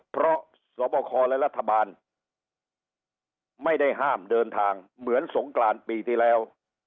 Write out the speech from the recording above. เพราะสวบคและรัฐบาลไม่ได้ห้ามเดินทางเหมือนสงกรานปีที่แล้ว